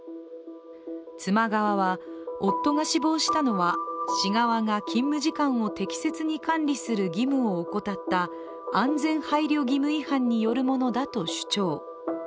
妻側は、夫が死亡したのは、市側が勤務時間を適切に管理する義務を怠った安全配慮義務違反によるものだと主張。